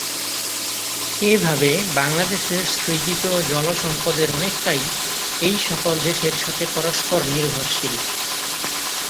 এভাবে বাংলাদেশে সৃজিত জলসম্পদের অনেকটাই এইসকল দেশের সাথে পরষ্পর নির্ভরশীল।